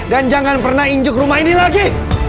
dan jangan pernah injek rumah ini lagi